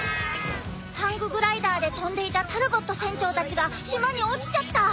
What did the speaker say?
ハンググライダーで飛んでいたタルボット船長たちが島に落ちちゃった。